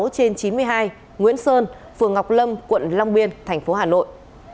hai mươi sáu trên chín mươi hai nguyễn sơn phường ngọc lâm quận long biên thành phố hà nội